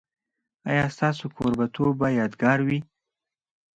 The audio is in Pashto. ایا ستاسو کوربه توب به یادګار وي؟